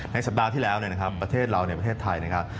สัปดาห์ที่แล้วเนี่ยนะครับประเทศเราในประเทศไทยนะครับ